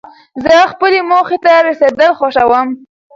زه خپلې موخي ته رسېدل خوښوم.